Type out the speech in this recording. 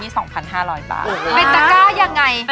เป็นตะก้ายังไง